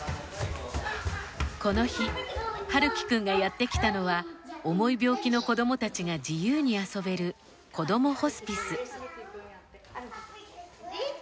この日はるきくんがやってきたのは重い病気の子どもたちが自由に遊べるこどもホスピス。